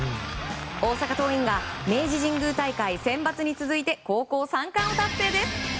大阪桐蔭が明治神宮大会、センバツに続いて高校３冠を達成です。